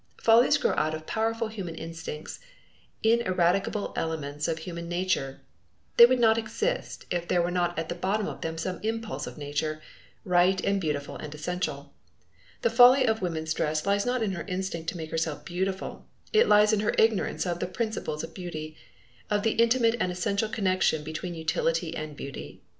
Follies grow out of powerful human instincts, ineradicable elements of human nature. They would not exist if there were not at the bottom of them some impulse of nature, right and beautiful and essential. The folly of woman's dress lies not in her instinct to make herself beautiful, it lies in her ignorance of the principles of beauty, of the intimate and essential connection between utility and beauty.